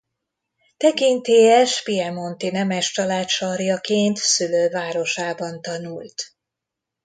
Tekintélyes piemonti nemes család sarjaként szülővárosában tanult.